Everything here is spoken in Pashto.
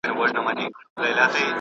ادب د ودې لپاره یې مهم کارونه کړي.